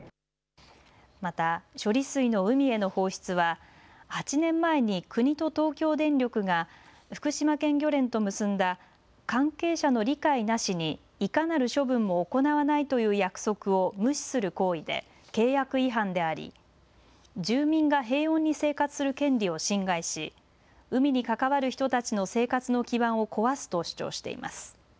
また処理水の海への放出は８年前に国と東京電力が福島県漁連と結んだ関係者の理解なしにいかなる処分も行わないという約束を無視する行為で契約違反であり住民が平穏に生活する権利を侵害し海に関わる人たちの生活の基盤を壊すと主張しています。